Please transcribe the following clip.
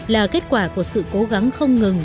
là kết quả của sự cố gắng không ngừng